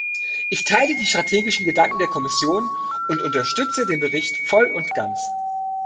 Ich teile die strategischen Gedanken der Kommission und unterstütze den Bericht voll und ganz.